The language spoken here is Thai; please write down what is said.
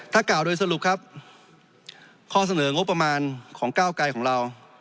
ถ้ากล่าวโดยสรุปครับข้อเสนองบประมาณของก้าวไกรของเรา